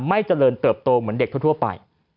ไม่เจริญเติบโตเหมือนเด็กทั่วไป